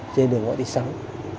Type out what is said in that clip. trên đường gọi đi sống